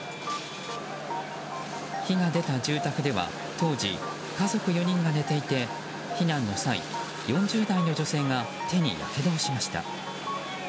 火が出た住宅では当時、家族４人が寝ていて避難の際、４０代の女性が手にやけどをしました。